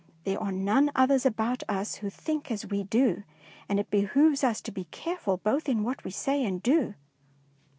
There are none others about us who think as we do, and it behoves us to be careful both in what we say and do.